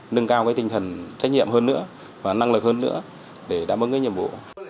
nâng cao cái tinh thần trách nhiệm hơn nữa và năng lực hơn nữa để đáp ứng cái nhiệm vụ